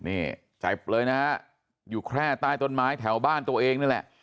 นี่เจ็บเลยนะฮะอยู่แค่ใต้ต้นไม้แถวบ้านตัวเองนั่นแหละ